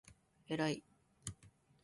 えらい！！！！！！！！！！！！！！！